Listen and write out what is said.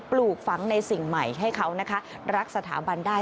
ปลูกฝังในสิ่งใหม่ให้เขานะคะรักสถาบันได้